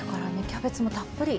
キャベツもたっぷり。